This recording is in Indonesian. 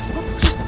bagus perubah menang